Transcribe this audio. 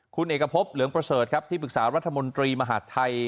คุณเอกพบเหลืองประเสริฐครับที่ปรึกษารัฐมนตรีมหาดไทย